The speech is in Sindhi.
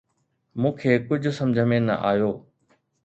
مون کي ڪجهه سمجهه ۾ نه آيو